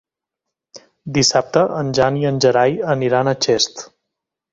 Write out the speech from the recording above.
Dissabte en Jan i en Gerai aniran a Xest.